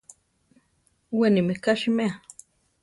Weni meká siméa.